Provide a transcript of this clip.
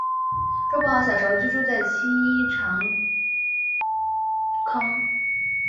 周柏豪小时候居住在青衣长康邨。